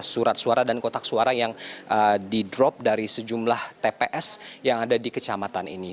surat suara dan kotak suara yang di drop dari sejumlah tps yang ada di kecamatan ini